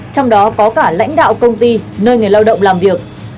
trong đó có cả lãnh đạo công ty nơi người lao động làm việc